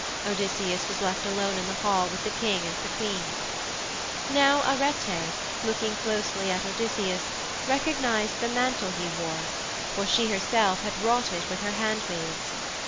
Odysseus was left alone in the hall with the King and the Queen. Now Arete, looking closely at Odysseus, recognized the mantle he wore, for she herself had wrought it with her handmaids.